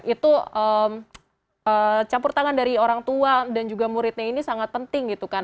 itu campur tangan dari orang tua dan juga muridnya ini sangat penting gitu kan